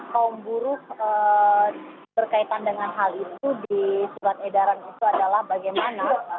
kaum buruh berkaitan dengan hal itu di surat edaran itu adalah bagaimana